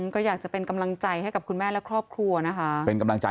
ก็อยากจะเป็นกำลังใจให้กับคุณแม่และครอบครัวนะคะ